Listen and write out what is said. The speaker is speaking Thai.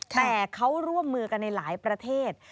แต่เขาร่วมมือกันในหลายประเทศ